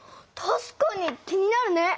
たしかに気になるね！